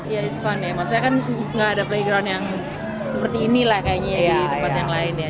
ya it's fun ya maksudnya kan gak ada playground yang seperti ini lah kayaknya di tempat yang lain ya